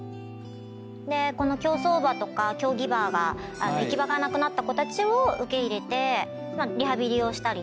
この競走馬とか競技馬が行き場がなくなった子たちを受け入れてリハビリをしたりとか。